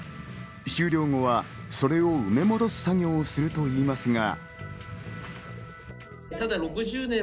終了後はそれを埋め戻す作業をするといいますが。